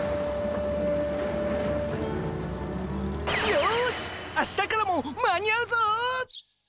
よし明日からも間に合うぞ！